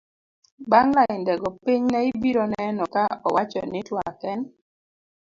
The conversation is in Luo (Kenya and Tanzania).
bang' lainde go pinyne ibiro neno ka owach ni twak en